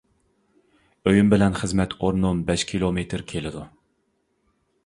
ئۆيۈم بىلەن خىزمەت ئورنۇم بەش كىلومېتىر كېلىدۇ.